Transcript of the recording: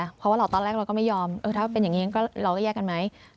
เพราะว่าตอนแรกเราก็ไม่ยอมถ้าเป็นอย่างนี้เราก็แยกกันไหม